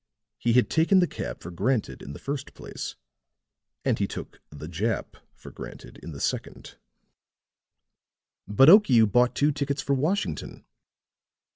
He had taken the cab for granted in the first place, and he took the Jap for granted in the second." "But Okiu bought two tickets for Washington."